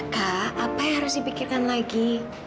kak apa yang harus dipikirkan lagi